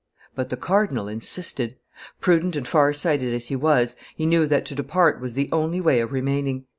But the cardinal insisted. Prudent and far sighted as he was, he knew that to depart was the only way of remaining.